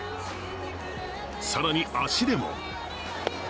更に、足でも。